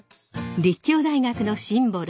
立教大学のシンボル